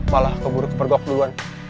malah keburu kepergok duluan